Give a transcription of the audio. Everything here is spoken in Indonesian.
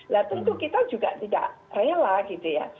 nah tentu kita juga tidak rela gitu ya